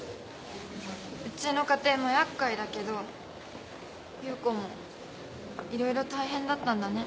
うちの家庭も厄介だけど優子もいろいろ大変だったんだね。